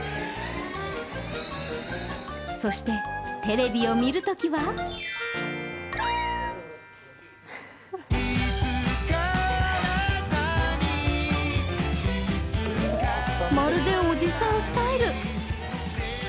そしてテレビを見るときはまるでおじさんスタイル。